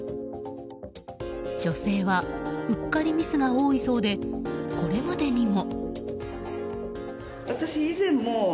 女性はうっかりミスが多いそうでこれまでにも。